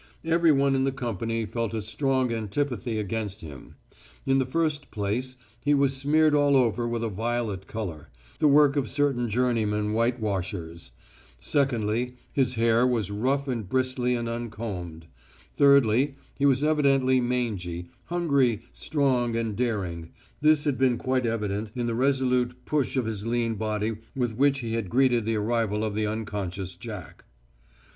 Everyone in the company felt a strong antipathy against him. In the first place, he was smeared all over with a violet colour, the work of certain journeyman whitewashers; secondly, his hair was rough and bristly and uncombed; thirdly, he was evidently mangy, hungry, strong and daring this had been quite evident in the resolute push of his lean body with which he had greeted the arrival of the unconscious Jack.